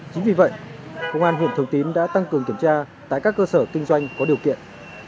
chính vì vậy công an huyện thường tín đã tăng cường kiểm tra tại các cơ sở kinh doanh có điều kiện